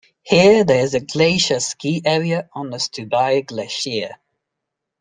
Here there is a glacier ski area on the Stubai Glacier.